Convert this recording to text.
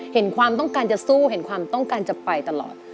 เห็นความต้องการจะสู้เห็นความต้องการจะไปตลอด